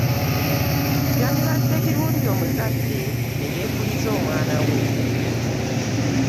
Kyandibadde kirungi omuzadde ne yeekuliza omwana we.